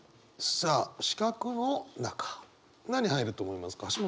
さあ四角の中何入ると思いますか？